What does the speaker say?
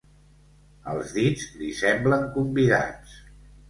Els dits li semblen convidats.